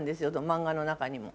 漫画の中にも。